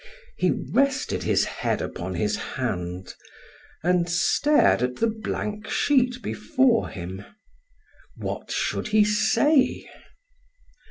He rested his head upon his hand and stared at the blank sheet before him. What should he say?